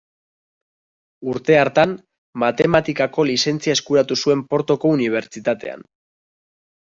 Urte hartan, matematikako lizentzia eskuratu zuen Portoko Unibertsitatean.